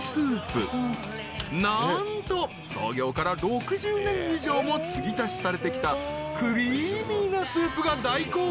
［何と創業から６０年以上もつぎ足しされてきたクリーミーなスープが大好評］